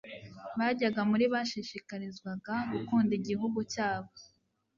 bajyaga muri bashishikarizwaga gukunda igihugu cyabo